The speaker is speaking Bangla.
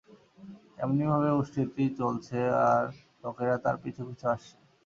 এমনিভাবে উষ্ট্রীটি চলছে আর লোকেরা তার পিছু পিছু আসছে।